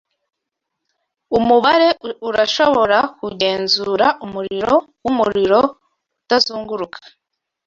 Umubare urashobora kugenzura umuriro wumuriro utazunguruka